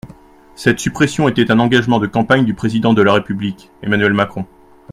Cette suppression était un engagement de campagne du Président de la République, Emmanuel Macron.